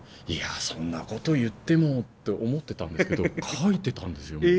いやそんなこと言ってもって思ってたんですけど書いてたんですよ。